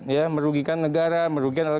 ya merugikan negara merugikan adalah